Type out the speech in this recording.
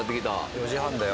４時半だよ